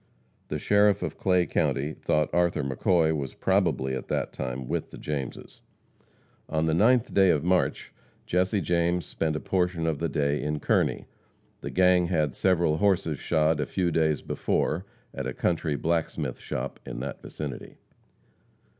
The sheriff of Clay county thought Arthur McCoy was probably at that time with the Jameses. On the 9th day of March, Jesse James spent a portion of the day in Kearney. The gang had several horses shod a few days before at a country blacksmith shop in that vicinity.